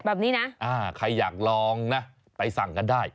แบบนี้นะใครอยากลองนะไปสั่งกันได้